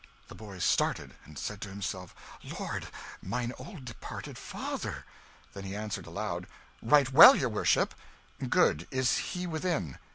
The boy started, and said to himself, "Lord! mine old departed father!" Then he answered aloud, "Right well, your worship." "Good is he within?"